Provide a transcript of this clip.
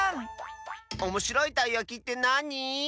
おもしろいたいやきってなに？